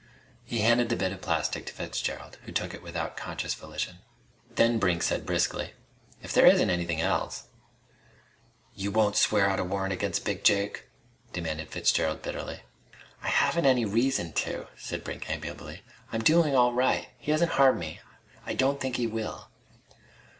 He handed the bit of plastic to Fitzgerald, who took it without conscious volition. Then Brink said briskly: "If there isn't anything else " "You won't swear out a warrant against Big Jake?" demanded Fitzgerald bitterly. "I haven't any reason to," said Brink amiably. "I'm doing all right. He hasn't harmed me. I don't think he will."